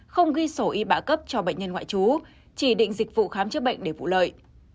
không ghi sổ y bạ cấp cho bệnh nhân ngoại trú chỉ định dịch vụ khám chữa bệnh để vụ lợi